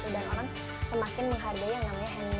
orang semakin menghargai yang namanya hand nude